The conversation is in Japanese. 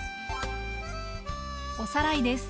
おさらいです。